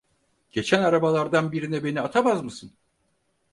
Geçen arabalardan birine beni atamaz mısın?